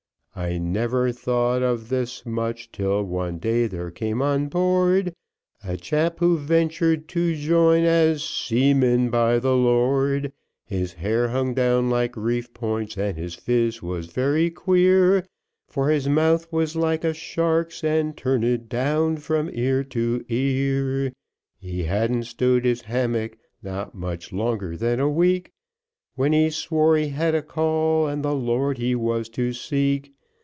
I never thought of this much till one day there came on board, A chap who ventur'd to join as seaman by the Lord! His hair hung down like reef points, and his phiz was very queer, For his mouth was like a shark's, and turn'd down from ear to ear. He hadn't stow'd his hammock, not much longer than a week, When he swore he had a call, and the Lord he was to seek.